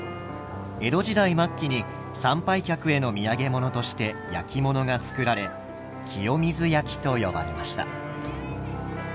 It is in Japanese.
江戸時代末期に参拝客への土産物として焼き物が作られ清水焼と呼ばれました。